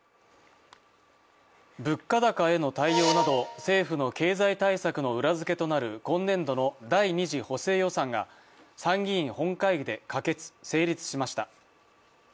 物価高への対応など政府の経済対策の裏づけとなる今年度の第２次補正予算が参議院本会議で可決・成立しました。